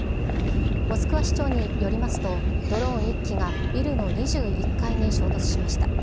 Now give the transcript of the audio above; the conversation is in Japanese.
モスクワ市長によりますと、ドローン１機がビルの２１階に衝突しました。